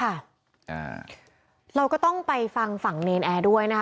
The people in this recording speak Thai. อ่าเราก็ต้องไปฟังฝั่งเนรนแอร์ด้วยนะคะ